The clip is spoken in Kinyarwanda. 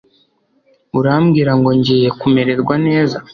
Urambwira ngo ngiye kumererwa neza